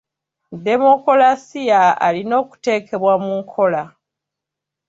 Demokolasiya alina okuteekebwa mu nkola.